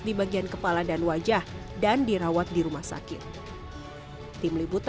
di bagian kepala dan wajah dan dirawat di rumah sakit